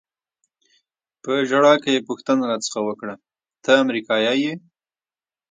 په ژړا کې یې پوښتنه را څخه وکړه: ته امریکایي یې؟